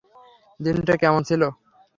দিনটা কেমন ছিল?